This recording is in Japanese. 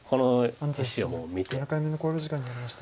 安斎七段７回目の考慮時間に入りました。